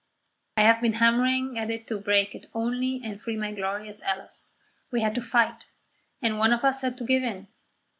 I have been hammering at it to break it only and free my glorious Alice. We had to fight, and one of us had to give in.